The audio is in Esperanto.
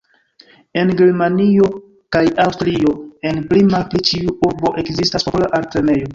En Germanio kaj Aŭstrio, en pli-malpli ĉiu urbo ekzistas popola altlernejo.